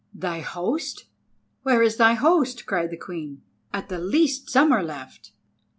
"Thy host! Where is thy host?" cried the Queen. "At the least some are left."